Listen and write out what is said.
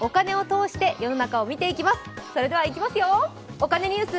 お金ニュース」